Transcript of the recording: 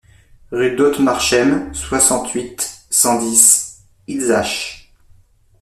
Rue d'Ottmarsheim, soixante-huit, cent dix Illzach